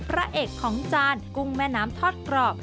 พระเอกของจานกุ้งแม่น้ำทอดกรอบ